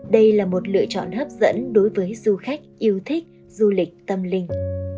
đây là một lựa chọn hấp dẫn đối với du khách yêu thích du lịch tâm linh